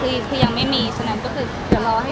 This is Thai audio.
เดี๋ยวรอให้เขียนตรงนั้นก่อนแล้วเดี๋ยวจะมาอัพเดทของคุณได้